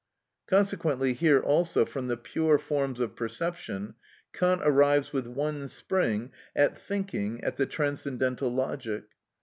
Consequently here also from the pure forms of perception Kant arrives with one spring at thinking at the Transcendental Logic.